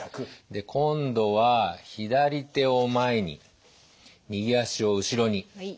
で今度は左手を前に右足を後ろに。